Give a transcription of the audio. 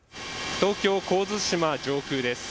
東京神津島上空です。